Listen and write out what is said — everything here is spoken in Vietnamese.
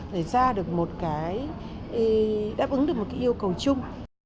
để ra được một cái đáp ứng được một cái yêu cầu chung